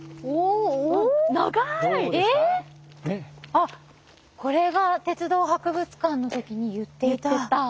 あこれが鉄道博物館の時に言っていた。